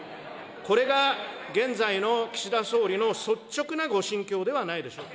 これが現在の岸田総理の率直なご心境ではないでしょうか。